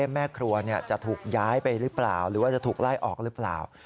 แม่ครัวจะถูกย้ายไปหรือเปล่าหรือว่าจะถูกไล่ออกหรือเปล่า